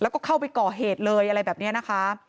แล้วก็เข้าไปก่อเหตุเลยอะไรแบบนี้นะคะ